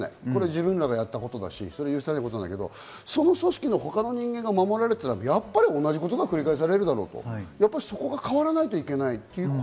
自分らがやったことだし、その組織の他の人間が守られていたら、やっぱり同じことが繰り返されるだろうと、そこが変わらないといけない。